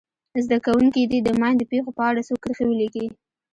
زده کوونکي دې د ماین د پېښو په اړه څو کرښې ولیکي.